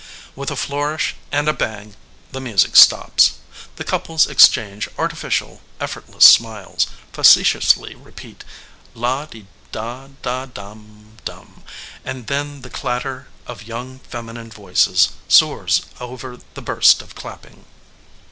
With a flourish and a bang the music stops. The couples exchange artificial, effortless smiles, facetiously repeat "LA de DA DA dum DUM," and then the clatter of young feminine voices soars over the burst of clapping.